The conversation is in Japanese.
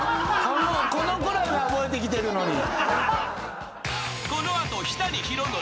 この子らが覚えてきてるのに。